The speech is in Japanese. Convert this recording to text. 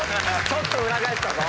ちょっと裏返ったぞ。